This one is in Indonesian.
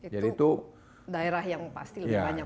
jadi itu daerah yang pasti lebih banyak orangnya